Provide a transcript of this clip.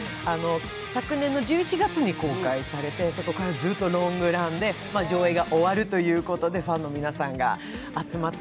昨年の１１月に公開されてそこからずっとロングランで上映が終わるということでファンの皆さんが集まって。